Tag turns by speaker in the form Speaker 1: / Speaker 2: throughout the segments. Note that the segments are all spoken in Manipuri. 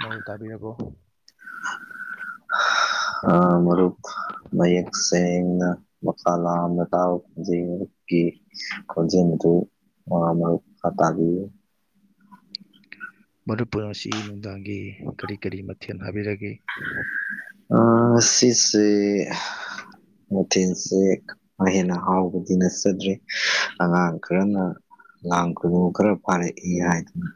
Speaker 1: ꯃꯔꯨꯞ ꯇꯥꯕꯤꯔꯕꯣ
Speaker 2: ꯍꯥ ꯑ ꯃꯔꯨꯞ ꯃꯌꯦꯛ ꯁꯦꯡ ꯅ ꯃꯀꯥ ꯂꯥꯝꯅ ꯇꯥꯕ ꯈꯣꯟꯖꯦꯟ ꯃꯔꯨꯞꯀꯤ ꯈꯣꯟꯖꯦꯟ ꯑꯗꯨ ꯑ ꯃꯈꯥꯇꯥꯕꯤꯌꯨ
Speaker 1: [inaudible] ꯇ꯭ꯔꯤꯄꯨꯔꯥꯁꯤ ꯅꯨꯡꯗꯥꯡꯒꯤ ꯀꯔꯤ ꯀꯔꯤ ꯃꯊꯦꯟ ꯍꯥꯕꯤꯔꯒꯦ
Speaker 2: ꯑ ꯁꯤꯁꯦ ꯃꯊꯦꯟꯁꯦ ꯈꯔ ꯍꯦꯟꯅ ꯍꯥꯎꯕꯗꯤ ꯅꯠꯆꯗ꯭ꯔꯦ ꯑꯉꯥꯡ ꯈꯔꯅ ꯂꯥꯡ ꯈꯨꯅꯨ ꯈꯔ ꯐꯥꯔꯛꯏ ꯍꯥꯏꯗꯨꯅ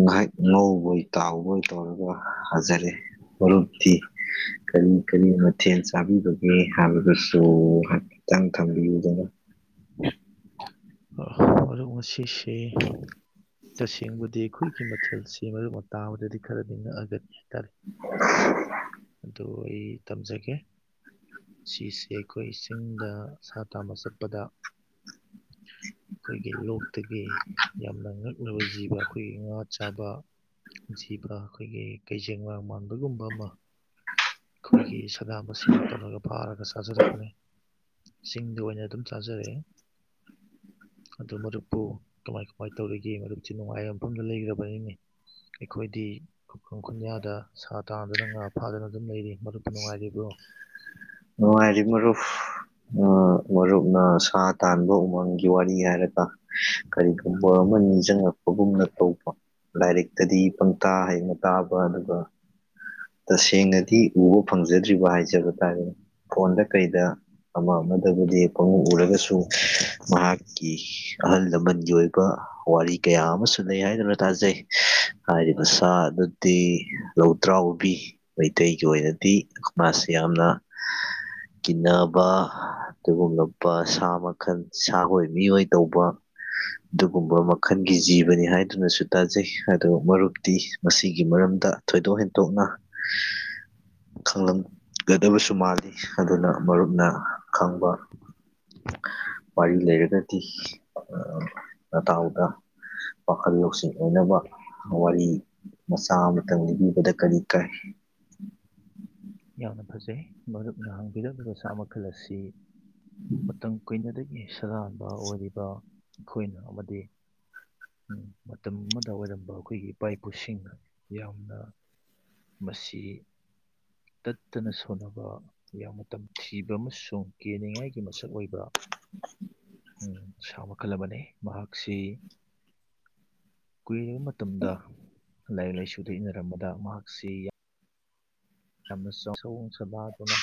Speaker 2: ꯉꯥꯏꯍꯥꯛ ꯉꯧꯕꯣꯏ ꯇꯥꯎꯕꯣꯏ ꯇꯧꯔꯒ ꯍꯥꯖꯔꯦ ꯃꯔꯨꯞꯇꯤ ꯀꯔꯤ ꯀꯔꯤ ꯃꯊꯦꯟ ꯆꯥꯕꯤꯕꯒꯦ ꯍꯥꯏꯕꯗꯨꯁꯨ ꯍꯥꯏꯐꯦꯠꯇꯪ ꯊꯝꯕꯤꯌꯨꯗꯅ
Speaker 1: [inaudible] ꯃꯔꯨꯞ ꯉꯁꯤꯁꯦ ꯇꯁꯦꯡꯕꯗꯤ ꯑꯈꯣꯏꯒꯤ ꯃꯊꯦꯜꯁꯤ ꯃꯔꯨꯞꯅ ꯇꯥꯕꯗꯗꯤ ꯈꯔꯗꯤ ꯉꯛꯑꯒꯅꯤ ꯇꯥꯔꯦ ꯑꯗꯨ ꯑꯩ ꯇꯝꯖꯒꯦ ꯁꯤꯁꯦ ꯑꯩꯈꯣꯏ ꯆꯤꯡꯗ ꯁꯥ ꯇꯥꯟꯕ ꯆꯠꯄꯗ ꯈꯣꯏ ꯖꯤꯕ ꯑꯈꯣꯏꯒꯤ ꯉꯥ ꯆꯥꯕ ꯖꯤꯕ ꯑꯈꯣꯏꯒꯤ ꯀꯩꯖꯦꯡꯂꯥꯡ ꯃꯥꯟ ꯑꯗꯨꯒꯨꯝꯕ ꯑꯃ ꯑꯈꯣꯏꯒꯤ ꯁꯗꯥꯟꯕꯁꯤꯡꯅ ꯇꯧꯔꯒ ꯐꯥꯔꯒ ꯆꯥꯖꯔꯛꯄꯅꯤ ꯆꯤꯡꯗ ꯑꯣꯏꯅ ꯑꯗꯨꯝ ꯆꯥꯖꯔꯛꯑꯦ ꯑꯗꯨ ꯃꯔꯨꯞꯄꯨ ꯀꯃꯥꯏ ꯀꯃꯥꯏ ꯇꯧꯔꯤꯒꯦ ꯃꯔꯨꯞꯁꯤ ꯅꯨꯡꯉꯥꯏꯕ ꯃꯐꯝꯗ ꯂꯩꯒ꯭ꯔꯕꯅꯤꯅꯦ ꯑꯩꯈꯣꯏꯗꯤ ꯈꯨꯛꯈꯪ ꯈꯨꯟꯌꯥꯗ ꯁꯥ ꯇꯥꯟꯗꯨꯅ ꯉꯥ ꯐꯥꯗꯨꯅ ꯑꯗꯨꯝ ꯂꯩꯔꯤ ꯃꯔꯨꯞꯇꯤ ꯅꯨꯡꯉꯥꯏꯔꯤꯕ꯭ꯔꯣ
Speaker 2: ꯅꯨꯡꯉꯥꯢꯔꯤ ꯃꯔꯨꯐ ꯑ ꯃꯔꯨꯞꯅ ꯁꯥ ꯇꯥꯟꯕ ꯎꯃꯪꯒꯤ ꯋꯥꯔꯤ ꯍꯥꯏꯔꯒ ꯀꯔꯤꯒꯨꯝꯕ ꯑ ꯃ ꯅꯤꯡꯖꯪꯉꯛꯄꯒꯨꯝꯅ ꯇꯧꯕ ꯂꯥꯏꯔꯤꯛꯇꯗꯤ ꯄꯪꯇꯥ ꯍꯦꯛ ꯃꯇꯥꯕ ꯑꯗꯨꯒ ꯇꯁꯦꯡꯅꯗꯤ ꯎꯕ ꯐꯪꯖꯗ꯭ꯔꯤꯕ ꯍꯥꯏꯖꯕ ꯇꯥꯔꯦꯅꯦ ꯐꯣꯟꯗ ꯀꯩꯗ ꯑꯃ ꯑꯃꯗꯕꯨꯗꯤ ꯄꯪꯎ ꯎꯔꯒꯁꯨ ꯃꯍꯥꯛꯀꯤ ꯑꯍꯜ ꯂꯃꯟꯒꯤ ꯑꯣꯏꯕ ꯋꯥꯔꯤ ꯀꯌꯥ ꯑꯃꯁꯨ ꯂꯩ ꯍꯥꯏꯗꯨꯅ ꯇꯥꯖꯩ ꯍꯥꯏꯔꯤꯕ ꯁꯥ [unintelligible] ꯂꯧꯗ꯭ꯔꯥꯎꯕꯤ ꯃꯩꯇꯩꯒꯤ ꯑꯣꯏꯅꯗꯤ ꯃꯥꯁꯤ ꯌꯥꯝꯅ
Speaker 1: [inaudible]
Speaker 2: ꯀꯤꯅꯕ ꯑꯗꯨꯒꯨꯝꯂꯕ ꯁꯥ ꯃꯈꯜ ꯁꯥꯑꯣꯏ ꯃꯤꯑꯣꯏ ꯇꯧꯕ ꯑꯗꯨꯒꯨꯝꯕ ꯃꯈꯟꯒꯤ ꯖꯤꯕꯅꯤ ꯍꯥꯏꯗꯨꯅꯁꯨ ꯇꯥꯖꯩ ꯑꯗꯣ ꯃꯔꯨꯞꯇꯤ ꯃꯁꯤꯒꯤ ꯃꯔꯝ [unintelligible] ꯊꯣꯏꯗꯣꯛ ꯍꯦꯟꯇꯣꯛꯅ ꯈꯪꯂꯝꯒꯗꯕꯁꯨ ꯃꯥꯜꯂꯤ ꯑꯗꯨꯅ ꯃꯔꯨꯞꯅ ꯈꯪꯕ ꯋꯥꯔꯤ ꯂꯩꯔꯒꯗꯤ [unintelligible] ꯅꯇꯥꯎꯗ ꯋꯥꯥꯈꯜ ꯂꯧꯁꯤꯡ ꯑꯣꯏꯅꯕ ꯋꯥꯔꯤ ꯃꯆꯥ ꯑꯃꯇꯪ ꯂꯤꯕꯤꯕꯗ ꯀꯔꯤ ꯀꯥꯢ
Speaker 1: ꯌꯥꯝꯅ ꯐꯖꯩ ꯃꯔꯨꯞꯅ ꯍꯡꯕꯤꯔꯛꯂꯤꯕ ꯁꯥ ꯃꯈꯜ ꯑꯁꯤ ꯃꯇꯝ ꯀꯨꯏꯅꯗꯒꯤ ꯁꯗꯥꯥꯟꯕ ꯑꯣꯏꯔꯤꯕ ꯑꯈꯣꯏꯅ ꯑꯃꯗꯤ ꯃꯇꯝ ꯑꯃꯗ ꯑꯣꯏꯔꯝꯕ ꯑꯩꯈꯣꯏꯒꯤ ꯏꯄꯥ ꯏꯄꯨꯁꯤꯡꯅ ꯌꯥꯝꯅ ꯃꯁꯤ ꯇꯠꯇꯅ ꯁꯣꯟꯅꯕ ꯌꯥꯝꯅ ꯇꯝꯊꯤꯕ ꯑꯃꯁꯨꯡ ꯀꯦꯅꯤꯡꯉꯥꯏꯒꯤ ꯃꯁꯛ ꯑꯣꯏꯕ ꯎꯝ ꯁꯥ ꯃꯈꯜ ꯑꯃꯅꯤ ꯃꯍꯥꯛꯁꯤ ꯀꯨꯏꯔꯕ ꯃꯇꯝꯗ ꯂꯥꯏꯔꯤꯛ ꯂꯥꯏꯁꯨꯗ ꯏꯟꯅꯔꯝꯕꯗ ꯃꯍꯥꯛꯁꯤ ꯌꯥ ꯌꯥꯝꯅ ꯆꯥꯎ [unintelligible] ꯁꯑꯣꯡ ꯁꯗꯥꯗꯨꯅ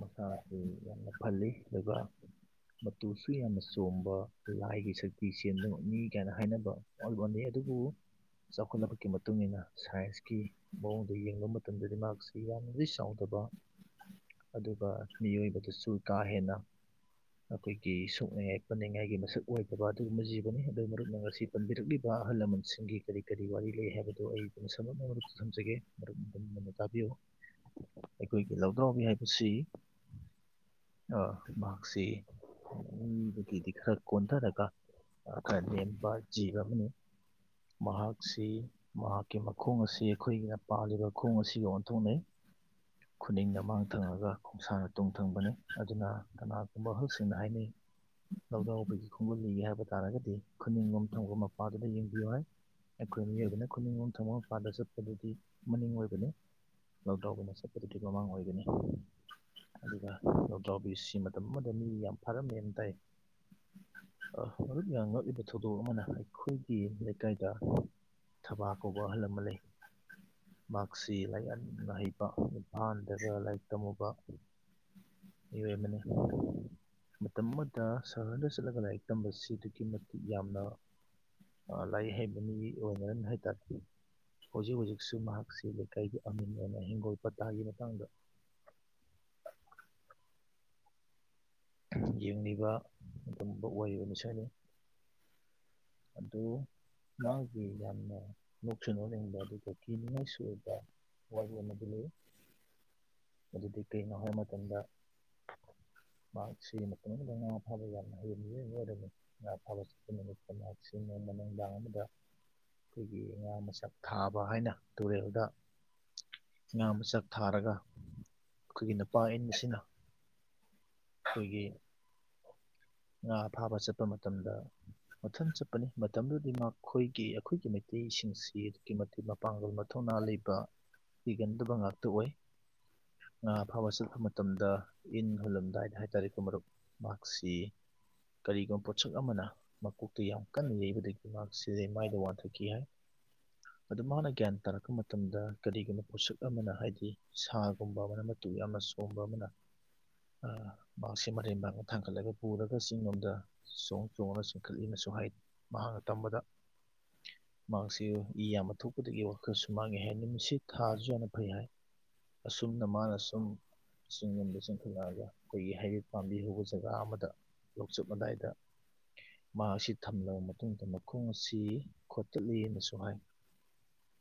Speaker 1: ꯃꯁꯥ ꯑꯁꯤ ꯌꯥꯝꯅ ꯐꯜꯂꯤ ꯑꯗꯨꯒ ꯃꯇꯨꯁꯨ ꯌꯥꯝꯅ ꯆꯣꯝꯕ ꯂꯥꯏꯒꯤ ꯁꯛꯇꯤ ꯆꯦꯟꯕꯅꯤ ꯀꯥꯏꯅ ꯍꯥꯏꯅꯕ [unintelligible] ꯑꯗꯨ ꯗꯨꯕꯨ ꯆꯥꯎꯈꯠꯂꯛꯄꯒꯤ ꯃꯇꯨꯡꯏꯟꯅ ꯁꯥꯏꯟꯁꯀꯤ ꯃꯑꯣꯡꯗ ꯌꯦꯡꯕ ꯃꯇꯝꯗꯗꯤ ꯃꯍꯥꯛꯁꯤ ꯌꯥꯝꯅꯗꯤ ꯆꯥꯎꯗ ꯕ ꯑꯗꯨꯒ ꯃꯤꯑꯣꯏꯕꯗꯁꯨ ꯀꯥ ꯍꯦꯟꯅ ꯑꯈꯣꯏꯒꯤ ꯁꯣꯛꯅꯤꯡꯉꯥꯏ ꯄꯅꯤꯡꯉꯥꯏꯒꯤ ꯃꯁꯛ [unintelligible] ꯑꯗꯨꯒꯨꯝꯕ ꯖꯤꯕꯅꯤ ꯑꯗꯨ ꯃꯔꯨꯞꯅ ꯉꯁꯤ ꯄꯟꯕꯤꯔꯛꯂꯤꯕ ꯑꯍꯜ ꯂꯃꯟꯁꯤꯡꯒꯤ ꯀꯔꯤ ꯀꯔꯤ ꯋꯥꯔꯤ ꯂꯩ ꯍꯥꯏꯕꯗꯨ ꯑꯩ ꯗꯨꯝ ꯁꯝꯂꯞꯅ ꯃꯔꯨꯞꯇ ꯊꯝꯖꯒꯦ ꯃꯔꯨꯞ ꯃꯨꯟꯅ ꯃꯨꯟꯅ ꯇꯥꯕꯤꯌꯨ ꯑꯩꯈꯣꯏꯒꯤ ꯂꯧꯗ꯭ꯔꯥꯎꯕꯤ ꯍꯥꯏꯕꯁꯤ ꯑ ꯃꯍꯥꯛꯁꯤ ꯃꯤꯗꯒꯤꯗꯤ ꯈꯔ ꯀꯣꯟꯗꯔꯒ ꯑ ꯈꯔ ꯅꯦꯝꯕ ꯖꯤꯕ ꯑꯃꯅꯤ ꯃꯍꯥꯛꯁꯤ ꯃꯍꯥꯛꯀꯤ ꯃꯈꯣꯡ ꯑꯁꯤ ꯑꯩꯈꯣꯏꯒꯤꯅ ꯄꯥꯜꯂꯤꯕ ꯈꯣꯡ ꯑꯁꯤꯒ ꯑꯣꯟꯊꯣꯛꯅꯩ ꯈꯨꯅꯤꯡꯅ ꯃꯥꯡ ꯊꯪꯉꯒ ꯈꯣꯡꯁꯥꯡꯅ ꯇꯨꯡ ꯊꯪꯕꯅꯤ ꯑꯗꯨꯅ ꯀꯅꯥꯒꯨꯝꯕ ꯑꯍꯜꯁꯤꯡꯅ ꯍꯥꯏꯅꯩ ꯂꯧꯗ꯭ꯔꯥꯎꯕꯤꯒꯤ ꯈꯣꯡꯒꯨꯜ ꯂꯤꯒꯦ ꯍꯥꯏꯕ ꯇꯥꯔꯒꯗꯤ ꯈꯨꯅꯤꯡꯂꯣꯝ ꯊꯪꯕ ꯃꯄꯥꯗꯨꯗ ꯌꯦꯡꯕꯤꯌꯨ ꯍꯥꯏ ꯑꯩꯈꯣꯏ ꯃꯤꯑꯣꯏꯕꯅ ꯈꯨꯅꯤꯡ ꯂꯣꯝ ꯊꯪꯕ ꯃꯄꯥꯥꯗ ꯆꯠꯄꯗꯨꯗꯤ ꯃꯅꯤꯡ ꯑꯣꯏꯕꯅꯤ ꯂꯧꯗ꯭ꯔꯥꯎꯕꯤꯅ ꯆꯠꯄꯗꯨꯗꯤ ꯃꯃꯥꯡ ꯑꯣꯏꯒꯅꯤ ꯑꯗꯨꯒ ꯂꯧꯗ꯭ꯔꯥꯎꯕꯤꯁꯤ ꯃꯇꯝ ꯑꯃꯗ ꯃꯤ ꯌꯥꯝ ꯐꯥꯔꯝꯃꯦꯟ ꯇꯥꯏ ꯑ ꯃꯔꯨꯞ ꯌꯥꯝ ꯉꯛꯂꯤꯕ ꯊꯧꯗꯣꯛ ꯑꯃꯅ ꯑꯩꯈꯣꯏꯒꯤ ꯂꯩꯀꯥꯏꯗ ꯊꯕꯥꯥ ꯀꯧꯕ ꯑꯍꯜ ꯑꯃ ꯂꯩ ꯃꯍꯥꯛꯁꯤ ꯂꯥꯏꯔꯤꯛ ꯌꯥꯝꯅ ꯍꯩꯕ ꯏꯝꯐꯥꯟꯗꯒ ꯂꯥꯏꯔꯤꯛ ꯇꯝꯃꯨꯕ ꯃꯤꯌꫭꯢ ꯑꯃꯅꯤ ꯃꯇꯝ ꯑꯃꯗ ꯁꯍꯔꯗ ꯆꯠꯂꯒ ꯂꯥꯏꯔꯤꯛ ꯇꯝꯕꯁꯤ ꯑꯗꯨꯛꯀꯤ ꯃꯇꯤꯛ ꯌꯥꯝꯅ ꯑ ꯂꯥꯏꯔꯤꯛ ꯍꯩꯕ ꯃꯤ ꯑꯣꯏꯅꯔꯝꯃꯦ ꯍꯥꯏ ꯇꯥꯔꯦ ꯍꯨꯖꯤꯛ ꯍꯨꯖꯤꯛꯁꯨ ꯃꯍꯥꯛꯁꯤ ꯂꯩꯀꯥꯏꯒꯤ ꯑꯃꯤꯟ ꯑꯣꯏꯅ ꯍꯤꯡꯒꯣꯜ ꯄꯇꯥꯒꯤ ꯃꯇꯥꯡꯗ ꯌꯦꯡꯂꯤꯕ ꯑꯗꯨꯝꯕ [unintelligible] ꯑꯗꯣ ꯃꯥꯒꯤ ꯌꯥꯝꯅ ꯅꯣꯛꯁꯨ ꯅꯣꯛꯅꯤꯡꯕ ꯑꯗꯨꯒ ꯀꯤꯅꯤꯡꯉꯥꯏꯁꯨ ꯑꯣꯏꯕ ꯋꯥꯔꯤ ꯑꯃꯗꯤ ꯂꯩ ꯑꯗꯨꯗꯤ ꯀꯩꯅꯣ ꯍꯥꯏꯕ ꯃꯇꯝꯗ ꯃꯍꯥꯛ ꯁꯤ ꯃꯇꯝ ꯑꯃꯗ ꯉꯥ ꯐꯥꯕ ꯌꯥꯝꯅ ꯍꯩꯕ ꯃꯤꯑꯣꯏꯕ ꯑꯃ ꯑꯣꯏꯔꯝꯃꯤ ꯉꯥ ꯐꯥꯕ ꯆꯠꯄ ꯅꯨꯃꯤꯠꯇ ꯃꯍꯥꯛꯁꯤ ꯅꯣꯡꯃ ꯅꯨꯡꯗꯥꯡ ꯑꯃꯗ ꯑꯩꯈꯣꯏꯒꯤ ꯉꯥ ꯃꯆꯥꯛ ꯊꯥꯕ ꯍꯥꯏꯅ ꯇꯨꯔꯦꯜꯗ ꯉꯥ ꯃꯆꯥꯛ ꯊꯥꯔꯒ ꯑꯩꯈꯣꯏꯒꯤ ꯅꯨꯄꯥ ꯏꯟꯕꯁꯤꯅ ꯑꯩꯈꯣꯏꯒꯤ ꯉꯥ ꯐꯥꯕ ꯆꯠꯄ ꯃꯇꯝꯗ ꯃꯊꯟ ꯆꯠꯄꯅꯤ ꯃꯇꯝꯗꯨꯗꯤ ꯃꯈꯣꯏꯒꯤ ꯑꯩꯈꯣꯏꯒꯤ ꯃꯩꯇꯩ ꯁꯤꯡꯁꯤ ꯑꯗꯨꯛꯀꯤ ꯃꯇꯤꯛ ꯃꯄꯥꯡꯒꯜ ꯃꯊꯧꯅꯥ ꯂꯩꯕ ꯀꯤꯒꯟꯗꯕ ꯉꯥꯛꯇ ꯑꯣꯏ ꯉꯥ ꯐꯥꯕ ꯆꯠꯄ ꯃꯇꯝꯗ ꯏꯟ ꯍꯨꯜꯂꯝ ꯑꯗꯥꯏ ꯍꯥꯏꯇꯥꯔꯦꯀꯣ ꯃꯔꯨꯞ ꯃꯍꯥꯛꯁꯤ ꯀꯔꯤꯒꯨꯝꯕ ꯄꯣꯠꯁꯛ ꯑꯃꯅ ꯃꯀꯣꯛꯇ ꯌꯥꯝ ꯀꯟꯅ ꯌꯩꯕꯗꯒꯤ ꯃꯍꯥꯛꯁꯤ ꯂꯩꯃꯥꯏꯗ ꯋꯥꯟꯊꯈꯤ ꯑꯗꯨ ꯃꯥꯅ ꯒ꯭ꯌꯥꯟ ꯇꯥꯔꯛꯄ ꯃꯇꯝꯗ ꯀꯔꯤꯒꯨꯝꯕ ꯄꯣꯠꯁꯛ ꯑꯃꯅ ꯍꯥꯏꯗꯤ ꯁꯥꯒꯨꯝꯕ ꯑꯃꯅ ꯇꯨ ꯌꯥꯝꯅ ꯆꯣꯝꯕ ꯑꯃꯅ ꯑ ꯃꯍꯥꯛꯁꯦ ꯃꯔꯦꯟꯕꯥꯡꯗ ꯊꯥꯡꯒꯠꯂꯒ ꯄꯨꯔꯒ ꯆꯤꯡꯂꯣꯝꯗ ꯆꯣꯡ ꯆꯣꯡꯉꯒ ꯆꯤꯡꯈꯠꯂꯤꯅꯁꯨ ꯍꯥꯏ ꯃꯍꯥꯛꯅ ꯇꯝꯕꯗ ꯃꯍꯥꯛꯁꯤ ꯏ ꯌꯥꯝꯕ ꯊꯣꯛꯄꯗꯒꯤ ꯋꯥꯈꯜꯁꯨ ꯃꯥꯡꯉꯦ ꯍꯥꯏ ꯅꯨꯃꯤꯠꯁꯤ ꯊꯥꯁꯨ ꯌꯥꯝꯅ ꯐꯩ ꯍꯥꯏ ꯑꯁꯨꯝꯅ ꯃꯥꯅ ꯑꯁꯨꯝ ꯆꯤꯡ ꯂꯣꯝꯗ ꯆꯦꯟꯈꯠꯂꯛꯑꯒ ꯑꯩꯈꯣꯏꯒꯤ ꯍꯩꯔꯤꯠ ꯄꯥꯝꯕꯤ ꯍꯧꯕ ꯖꯒꯥ ꯑꯃꯗ ꯂꯣꯛꯆꯨꯞ ꯑꯗꯥꯏꯗ ꯃꯍꯥꯛ ꯁꯤ ꯊꯝꯂꯕ ꯃꯇꯨꯡꯗ ꯃꯈꯣꯡ ꯁꯤ ꯈꯣꯠꯇꯠꯂꯦꯅꯁꯨ ꯍꯥꯏ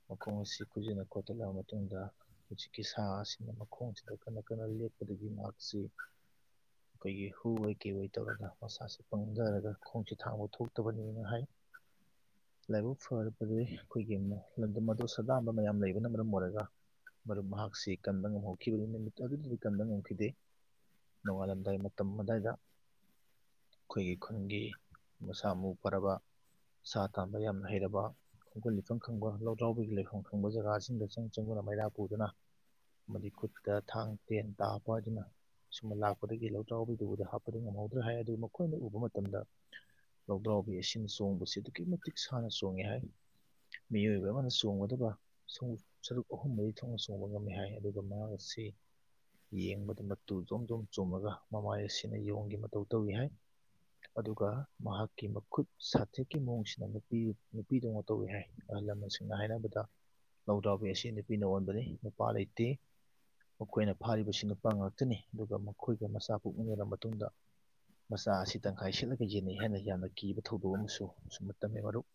Speaker 1: ꯃꯈꯣꯡ ꯑꯁꯤ ꯈꯨꯖꯤꯟꯅ ꯈꯣꯇꯠꯂꯕ ꯃꯇꯨꯡꯗ ꯍꯧꯖꯤꯛꯀꯤ ꯁꯥ ꯑꯁꯤꯅ ꯃꯈꯣꯡꯁꯤꯗ ꯀꯟꯅ ꯀꯟ [unintelligible] ꯂꯦꯛꯄꯗꯒꯤ ꯃꯍꯥꯛꯁꯤ ꯑꯩꯈꯣꯏꯒꯤ ꯍꯨ ꯑꯣꯏ ꯀꯩ ꯑꯣꯏ ꯇꯧꯔꯒ ꯃꯁꯥꯁꯦ ꯄꯪꯗꯔꯒ ꯈꯣꯡꯁꯦ ꯊꯥꯡꯕ ꯊꯣꯛꯇꯕꯅꯦꯅ ꯍꯥꯏ [inaudible] ꯂꯥꯏꯕꯛ ꯐꯔꯕꯗꯤ ꯑꯩꯈꯣꯏꯒꯤ ꯂꯝꯗꯝ ꯑꯗꯨ ꯁꯗꯥꯟꯕ ꯃꯌꯥꯝ ꯂꯩꯕꯅ ꯃꯔꯝ ꯑꯣꯏꯔꯒ ꯃꯔꯨꯞ ꯃꯍꯥꯛꯁꯤ ꯀꯟꯕ ꯉꯝꯍꯧꯈꯤꯕ [unintelligible] ꯅꯨꯃꯤꯠ ꯑꯗꯨꯒꯤ ꯀꯟꯕ ꯉꯝꯈꯤꯗꯦ ꯅꯣꯡꯉꯥꯜꯂꯝꯗꯥꯏ ꯃꯇꯝ ꯑꯗꯥꯏꯗ ꯑꯩꯈꯣꯏꯒꯤ ꯈꯨꯟꯒꯤ ꯃꯁꯥ ꯃꯎ ꯐꯔꯕ ꯁꯥ ꯇꯥꯟꯕ ꯌꯥꯝꯅ ꯍꯩꯔꯕ ꯈꯣꯡꯒꯨꯜ ꯂꯤꯐꯝ ꯈꯪꯕ ꯂꯧꯗ꯭ꯔꯥꯎꯕꯤꯒꯤ ꯂꯩꯐꯝ ꯈꯪꯕ ꯖꯒꯥꯁꯤꯡꯗ ꯆꯪ ꯆꯪꯗꯨꯅ ꯃꯩꯔꯥ ꯄꯨꯗꯨꯅ ꯑꯃꯗꯤ ꯈꯨꯠꯇ ꯊꯥꯡ ꯇꯦꯟ ꯇꯥ ꯄꯥꯏꯗꯨꯅ ꯁꯨꯝꯅ ꯂꯥꯛꯄꯗꯒꯤ ꯂꯧꯗ꯭ꯔꯥꯎꯕꯤꯗꯨ ꯎꯕꯗ ꯍꯥꯠꯄꯗꯤ ꯉꯝꯍꯧꯗ꯭ꯔꯦ ꯍꯥꯏ ꯑꯗꯨ ꯃꯈꯣꯏꯅ ꯎꯕ ꯃꯇꯝꯗ ꯍ ꯂꯧꯗꯥ꯭ꯔꯥꯎꯕꯤ ꯑꯁꯤꯅ ꯆꯣꯡꯕꯁꯤ ꯑꯗꯨꯛꯀꯤ ꯃꯇꯤꯛ ꯁꯥꯟꯅ ꯆꯣꯡꯉꯤ ꯍꯥꯏ ꯃꯤꯑꯣꯏꯕ ꯑꯃꯅ ꯆꯣꯡꯒꯗꯕ ꯁꯔꯨꯛ ꯁꯔꯨꯛ ꯑꯍꯨꯝ ꯃꯔꯤ ꯊꯣꯛꯅ ꯆꯣꯡꯕ ꯉꯝꯃꯤ ꯍꯥꯏ ꯑꯗꯨꯒ ꯃꯍꯥꯛ ꯑꯁꯤ [unintelligible] ꯌꯦꯡꯕꯗ ꯃ ꯇꯨ ꯖꯣꯝ ꯖꯣꯝ ꯆꯣꯝꯃꯒ ꯃꯃꯥꯏ ꯑꯁꯤꯅ ꯌꯣꯡꯒꯤ ꯃꯇꯧ ꯇꯧꯏ ꯍꯥꯏ ꯑꯗꯨꯒ ꯃꯍꯥꯛꯀꯤ ꯃꯈꯨꯠ ꯁꯥꯊꯦꯛꯀꯤ ꯃꯑꯣꯡꯁꯤꯅ ꯅꯨꯄꯤ ꯅꯨꯄꯤꯗꯧꯅ ꯇꯧꯋꯤ ꯍꯥꯏ ꯑꯍꯜ ꯂꯃꯟꯁꯤꯡꯅ ꯍꯥꯏꯅꯕꯗ ꯂꯧꯗꯥ꯭ꯔꯥꯎꯕꯤ ꯑꯁꯤ ꯅꯨꯄꯤꯅ ꯑꯣꯟꯕꯅꯤ ꯅꯨꯄꯥ ꯂꯩꯇꯦ ꯃꯈꯣꯏꯅ ꯐꯥꯔꯤꯕꯁꯤ ꯅꯨꯄꯥ ꯉꯥꯛꯇꯅꯤ ꯑꯗꯨꯒ ꯃꯈꯣꯏꯒ ꯃꯆꯥ ꯄꯣꯛꯃꯤꯟꯅꯔꯕ ꯃꯇꯨꯡꯗ ꯃꯆꯥ ꯑꯁꯤ ꯇꯪꯈꯥꯏ ꯁꯦꯠꯂꯒ ꯌꯦꯟꯅꯩ ꯍꯥꯏꯅ ꯌꯥꯝꯅ ꯀꯤꯕ ꯊꯧꯗꯣꯛ ꯑꯃꯁꯨ ꯑꯁꯨꯝꯅ ꯇꯝꯃꯦ ꯃꯔꯨꯞ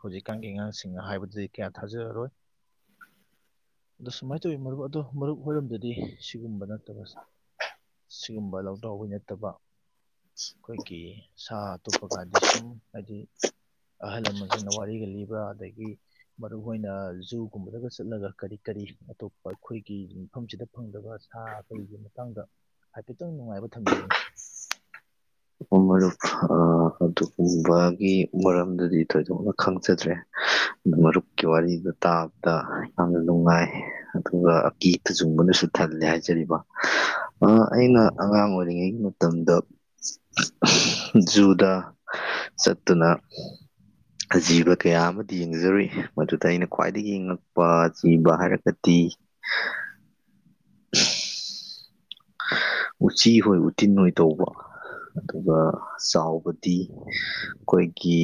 Speaker 1: ꯍꯧꯖꯤꯛꯀꯥꯟꯒꯤ ꯑꯉꯥꯡꯁꯤꯡꯅ ꯍꯥꯏꯕꯗꯨꯗꯤ ꯀꯌꯥ ꯊꯥꯖꯔꯔꯣꯏ ꯑꯗꯣ ꯁꯨꯃꯥꯏꯅ ꯇꯧꯋꯤ ꯃꯔꯨꯞ ꯑꯗꯣ ꯃꯔꯨꯞ ꯍꯣꯏꯔꯣꯝꯗꯗꯤ ꯁꯤꯒꯨꯝꯕ ꯅꯠꯇꯕ ꯁ ꯁꯤꯒꯨꯝꯕ ꯂꯧꯗ꯭ꯔꯥꯎꯕꯤ ꯅꯠꯇꯕ ꯑꯩꯈꯣꯏꯒꯤ ꯁꯥ ꯑꯇꯣꯞꯄ ꯀꯥꯗꯤ ꯁꯨꯝ ꯍꯥꯏꯗꯤ ꯑꯍꯜ ꯂꯃꯟꯁꯤꯡꯅ ꯋꯥꯔꯤꯒ ꯂꯤꯕꯔ ꯑꯗꯒꯤ ꯍ ꯃꯔꯨꯞꯍꯣꯏꯅ ꯖꯨ ꯒꯨꯝꯕꯗꯒ ꯆꯠꯂꯒ ꯀꯔꯤ ꯀꯔꯤ ꯑꯇꯣꯞꯄ ꯑꯩꯈꯣꯏꯒꯤ ꯃꯐꯝꯁꯤꯗ ꯐꯪꯗꯕ ꯁꯥ ꯀꯩꯒꯤ ꯃꯇꯥꯡꯗ ꯍꯥꯏꯐꯦꯠꯇꯪ ꯅꯨꯡꯉꯥꯏꯕ ꯊꯝꯕꯤꯌꯨꯅꯦ
Speaker 2: ꯎꯝ ꯃꯔꯨꯞ ꯑ ꯑꯗꯨꯒꯨꯝꯕꯒꯤ ꯃꯔꯝꯗꯗꯤ ꯊꯣꯏꯗꯣꯛꯅ ꯈꯪꯖꯗ꯭ꯔꯦ ꯃꯔꯨꯞꯀꯤ ꯋꯥꯔꯤꯗꯨ ꯇꯥꯕꯗ ꯌꯥꯝꯅ ꯅꯨꯡꯉꯥꯏ ꯑꯗꯨꯒ ꯑꯀꯤ ꯇꯨꯖꯨꯡꯕꯅꯁꯨ ꯊꯜꯂꯦ ꯍꯥꯏꯖꯔꯤꯕ ꯑ ꯑꯩꯅ ꯑꯉꯥꯡ ꯑꯣꯏꯔꯤꯉꯩꯒꯤ ꯃꯇꯝꯗ ꯖꯨꯗ ꯆꯠꯇꯨꯅ ꯑ ꯖꯤꯕ ꯀꯌꯥ ꯑꯃꯗꯤ ꯌꯦꯡꯖꯔꯨꯏ ꯃꯗꯨꯗ ꯑꯩꯅ ꯈ꯭ꯋꯥꯏꯗꯒꯤ ꯉꯛꯄ ꯖꯤꯕ ꯍꯥꯏꯔꯒꯗꯤ ꯢ [unintelligible]
Speaker 1: [inaudible]
Speaker 2: ꯎꯆꯤ ꯍꯣꯏ ꯎꯇꯤꯟ ꯑꯣꯏ ꯇꯧꯕ ꯑꯗꯨꯒ ꯆꯥꯎꯕ ꯗꯤ ꯈꯣꯏ ꯀꯤ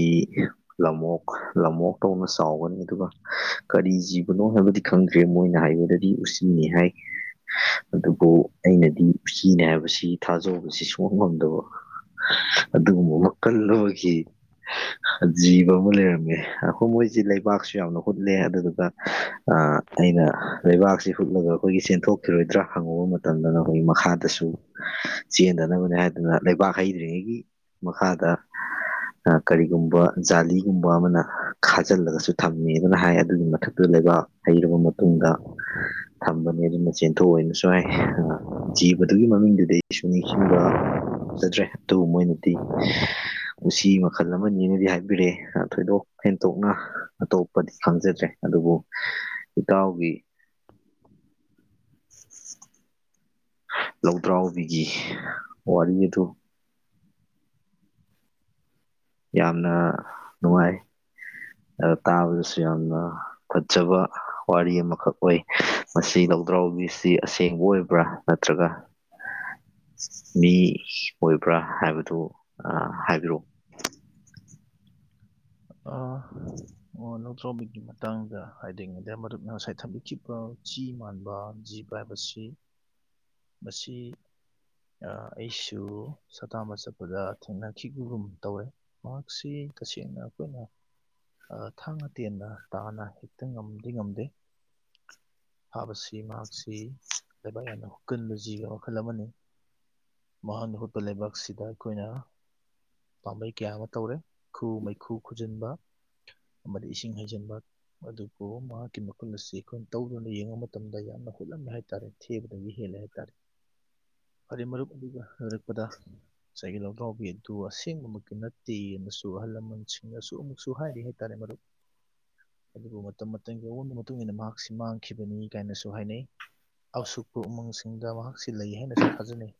Speaker 2: ꯂꯝꯑꯣꯛ ꯂꯝꯑꯣꯛ ꯇꯧꯅ ꯆꯥꯎꯒꯅꯤ ꯑꯗꯨꯒ ꯀꯔꯤ ꯖꯤꯕꯅꯣ ꯍꯥꯏꯕ ꯗꯤ ꯈꯪꯗ꯭ꯔꯦ ꯃꯣꯏꯅ ꯍꯥꯏꯕꯗꯗꯤ ꯎꯁꯤꯅꯤ ꯍꯥꯏ ꯑꯗꯨꯕꯨ ꯑꯩꯅꯗꯤ ꯎꯆꯤꯅꯦ ꯍꯥꯏꯕꯁꯤ ꯊꯥꯖꯧꯕꯁꯤ ꯁꯨꯛꯉꯝ ꯉꯝꯗꯕ ꯑꯗꯨꯒꯨꯝꯕ ꯋꯥꯀꯜꯂꯣꯒꯤ ꯖꯤꯕ ꯑꯃ ꯂꯩꯔꯝꯃꯦ ꯑꯈꯣꯏ ꯃꯣꯏꯖꯤ ꯂꯩꯕꯥꯛꯁꯨ ꯌꯥꯝꯅ ꯍꯨꯠꯂꯦ ꯑꯗꯨꯗꯨꯒ ꯑꯥ ꯑꯩꯅ ꯂꯩꯕꯥꯛꯁꯤ ꯍꯨꯠꯂꯒ ꯑꯈꯣꯏꯒꯤ ꯆꯦꯟꯊꯣꯛꯈꯤꯔꯣꯏꯗ꯭ꯔꯥ ꯍꯪꯉꯨꯕ ꯃ ꯇꯝꯗꯅ ꯑꯈꯣꯏꯒꯤ ꯃꯈꯥꯗꯁꯨ ꯆꯦꯟꯗꯅꯕꯅꯦ ꯍꯥꯏꯗꯨꯅ ꯂꯩꯕꯥꯛ ꯍꯩꯗ꯭ꯔꯤꯉꯩꯒꯤ ꯃꯈꯥꯗ ꯑ ꯀꯔꯤꯒꯨꯝꯕ ꯖꯥꯂꯤꯒꯨꯝꯕ ꯑꯃꯅ ꯈꯥꯖꯤꯜꯂꯒꯁꯨ ꯊꯝꯃꯦ ꯑꯗꯨꯅ ꯍꯥꯏ ꯑꯗꯨꯒꯤ ꯃꯊꯛꯇ ꯂꯩ [unintelligible] ꯍꯩꯔꯕ ꯃꯇꯨꯡꯗ ꯊꯝꯕꯅꯦ ꯑꯗꯨꯅ ꯆꯦꯟꯊꯣꯛꯑꯣꯏꯅꯁꯨ ꯍꯥꯏ ꯑ ꯖꯤꯕꯗꯨꯒꯤ ꯃꯃꯤꯡꯗꯨꯗꯤ ꯑꯩꯁꯨ ꯅꯤꯡꯁꯤꯡꯕ ꯉꯝꯖꯗ꯭ꯔꯦ ꯑꯗꯨ ꯃꯣꯏꯅꯗꯤ ꯎꯆꯤ ꯃꯈꯜ ꯑꯃꯅꯦꯅꯗꯤ ꯍꯥꯏꯕꯤꯔꯦ ꯑ ꯊꯣꯏꯗꯣꯛ ꯍꯦꯟꯇꯣꯛꯅ ꯑꯇꯣꯞꯄꯗꯤ ꯈꯪꯖꯗ꯭ꯔꯦ ꯑꯗꯨꯕꯨ ꯏꯇꯥꯎꯒꯤ ꯂꯧꯗ꯭ꯔꯥꯎꯕꯤꯒꯤ ꯋꯥꯔꯤ ꯑꯗꯨ ꯌꯥꯝꯅ ꯅꯨꯡꯉꯥꯏ ꯑ ꯇꯥꯕꯗꯁꯨ ꯌꯥꯝꯅ ꯐꯠꯖꯕ ꯋꯥꯔꯤ ꯑꯃꯈꯛ ꯑꯣꯏ ꯃꯁꯤ ꯂꯧꯗ꯭ꯔꯥꯎꯕꯤꯁꯤ ꯑꯁꯦꯡꯕ ꯑꯣꯏꯕ꯭ꯔꯥ ꯅꯠꯇ꯭ꯔꯒ
Speaker 1: [inaudible]
Speaker 2: ꯃꯤ ꯑꯣꯏꯕ꯭ꯔꯥ ꯍꯥꯏꯕꯗꯨ ꯑꯥ ꯍꯥꯏꯕꯤꯔꯣ
Speaker 1: ꯑꯥ ꯑꯣ ꯂꯧꯇ꯭ꯔꯥꯕꯤꯒꯤ ꯃꯇꯥꯡꯗ ꯍꯥꯏꯗꯤ ꯃꯦꯗꯤꯌꯥ ꯃꯔꯨꯞꯅ ꯉꯁꯥꯏ ꯊꯝꯕꯤꯈꯤꯕ ꯆꯤ ꯃꯥꯟꯕ ꯖꯤꯕ ꯍꯥꯏꯕꯁꯤ ꯃꯁꯤ ꯑꯥ ꯑꯩꯁꯨ ꯁꯥꯇꯥꯟꯕ ꯆꯠꯄꯗ ꯊꯦꯡꯅꯈꯤꯒꯤꯒꯨꯝ ꯇꯧꯋꯦ ꯃꯍꯥꯛꯁꯤ ꯇꯁꯦꯡꯅ ꯑꯈꯣꯏꯅ ꯑꯥ ꯊꯥꯡꯅ ꯇꯦꯟꯅ ꯇꯥꯅ ꯍꯦꯛꯇ ꯉꯝꯗꯤ ꯉꯝꯗꯦ ꯐꯥꯕꯁꯤ ꯃꯍꯥꯛꯁꯤ ꯂꯩꯕꯥꯛ ꯌꯥꯝꯅ ꯍꯣꯠꯀꯟꯕ ꯖꯤꯕ ꯃꯈꯜ ꯑꯃꯅꯤ ꯃꯍꯥꯛꯅ ꯍꯨꯠꯄ ꯂꯩꯕꯥꯛꯁꯤꯗ ꯑꯩꯈꯣꯏꯅ ꯄꯥꯝꯕꯩ ꯀꯌꯥ ꯑꯃ ꯇꯧꯔꯦ ꯈꯨꯨ ꯃꯩꯈꯨ ꯈꯨꯖꯤꯟꯕ ꯑꯃꯗꯤ ꯏꯁꯤꯡ ꯍꯩꯖꯟꯕ ꯑꯗꯨꯕꯨ ꯃꯍꯥꯛꯀꯤ ꯃꯈꯨꯟ ꯑꯁꯤ ꯈꯣꯏꯅ ꯇꯧꯗꯨꯅ ꯌꯦꯡꯕ ꯃꯇꯝꯗ ꯌꯥꯝꯅ ꯍꯨꯠꯂꯝꯃꯦ ꯍꯥꯏꯇꯥꯔꯦ ꯊꯦꯕꯗꯒꯤ ꯍꯦꯜꯂꯦ ꯍꯥꯏꯇꯥꯔꯦ ꯐꯔꯦ ꯃꯔꯨꯞ ꯑꯗꯨꯒ ꯂꯣꯔꯛꯄꯗ ꯉꯁꯥꯏꯒꯤ ꯂꯧꯇ꯭ꯔꯥꯎꯕꯤ ꯑꯗꯨ ꯑꯁꯦꯡꯕꯃꯛꯇꯤ ꯅꯠꯇꯦꯅꯁꯨ ꯑꯍꯜ ꯂꯃꯟꯁꯤꯡꯅꯁꯨ ꯑꯃꯨꯛꯁꯨ ꯍꯥꯏꯔꯤ ꯍꯥꯏꯇꯥꯔꯦ ꯃꯔꯨꯞ ꯑꯗꯨꯕꯨ ꯃꯇꯝ ꯃꯇꯝꯒꯤ ꯑꯑꯣꯟꯕ ꯃꯇꯨꯡꯏꯟꯅ ꯃꯍꯥꯛꯁꯤ ꯃꯥꯡꯈꯤꯕꯅꯤ ꯀꯥꯏꯅꯁꯨ ꯍꯥꯏꯅꯩ ꯑꯁꯨꯛꯄ ꯎꯃꯪꯁꯤꯡꯗ ꯃꯍꯥꯛꯁꯤ ꯂꯩ ꯍꯥꯏꯅꯁꯨ ꯊꯥꯖꯅꯩ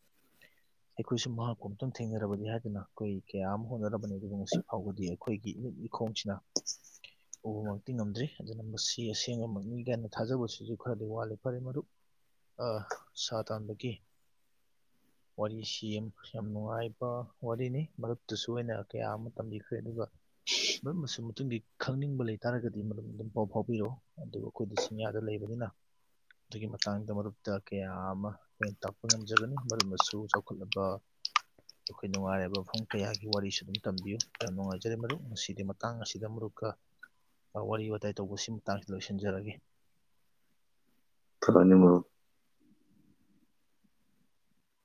Speaker 1: ꯑꯩꯈꯣꯏꯁꯨ ꯃꯍꯥꯛꯄꯨ ꯑꯝꯇꯪ ꯊꯦꯡꯅꯔꯕꯗꯤ ꯍꯥꯏꯗꯨꯅ ꯑꯈꯣꯏ ꯀꯌꯥ ꯑꯝ ꯍꯣꯠꯅꯔꯕꯅꯤ ꯑꯗꯨꯕꯨ ꯉꯁꯤ ꯐꯥꯎꯕꯗꯤ ꯑꯈꯣꯏꯒꯤ ꯏꯃꯤꯠ ꯏꯈꯣꯡꯁꯤꯅ ꯎꯕꯃꯛꯇꯤ ꯉꯝꯗ꯭ꯔꯤ ꯑꯗꯨꯅ ꯃꯁꯤ ꯑꯁꯦꯡꯕꯃꯛꯅꯤ ꯒꯥꯢꯅ ꯊꯥꯖꯕꯁꯤꯁꯨ ꯈꯔꯗꯤ ꯋꯥꯠꯂꯤ ꯐꯔꯦ ꯃꯔꯨꯞ ꯑ ꯁꯥ ꯇꯥꯟꯕꯒꯤ ꯋꯥꯔꯤꯁꯤ ꯌꯝ ꯌꯥꯝ ꯅꯨꯡꯉꯥꯏꯕ ꯋꯥꯔꯤꯅꯤ ꯃꯔꯨꯞꯇꯨꯁꯨ ꯑꯩꯅ ꯀꯌꯥ ꯑꯃ ꯇꯝꯕꯤꯈ꯭ꯔꯦ ꯑꯗꯨꯒ
Speaker 2: [unintelligible]
Speaker 1: ꯃꯔꯝ ꯃꯁꯤ ꯃꯇꯨꯡꯒꯤ ꯈꯪꯅꯤꯡꯕ ꯂꯩꯇꯥꯥꯔꯒꯗꯤ ꯃꯔꯨꯞ ꯑꯗꯨꯝ ꯄꯥꯎ ꯐꯥꯎꯕꯤꯔꯧ ꯑꯗꯨꯒ ꯑꯈꯣꯏꯗꯤ ꯆꯤꯡꯌꯥꯗ ꯂꯩꯕꯅꯤꯅꯥ ꯑꯗꯨꯒꯤ ꯃꯇꯥꯡꯗ ꯃꯔꯨꯞꯇ ꯀꯌꯥ ꯑꯃ ꯑꯈꯣꯏꯅ ꯇꯥꯛꯄ ꯉꯝꯖꯒꯅꯤ ꯃꯔꯨꯞꯅꯁꯨ ꯆꯥꯎꯈꯠꯂꯕ ꯑꯈꯣꯏ ꯅꯨꯡꯉꯥꯏꯔꯕ ꯃꯐꯝ ꯀꯌꯥꯒꯤ ꯋꯥꯔꯤꯁꯨ ꯑꯗꯨꯝ ꯇꯝꯕꯤꯌꯨ ꯌꯥꯝ ꯅꯨꯡꯉꯥꯏ ꯖꯔꯦ ꯃꯔꯨꯞ ꯉꯁꯤꯗꯤ ꯃꯇꯥꯡ ꯑꯁꯤꯗ ꯑꯔꯨꯞꯀ ꯋꯥꯔꯤ ꯋꯥꯇꯥꯏ ꯇꯧꯕꯁꯤ ꯃꯇꯥꯡꯁꯤꯗ ꯂꯣꯏꯁꯤꯟꯖꯔꯒꯦ
Speaker 2: ꯐꯅꯤ ꯃꯔꯨꯞ